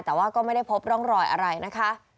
แต่ว่าก็ไม่ได้พบร่องรอยอะไรนะคะ